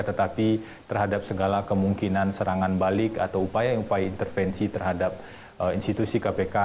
tetapi terhadap segala kemungkinan serangan balik atau upaya upaya intervensi terhadap institusi kpk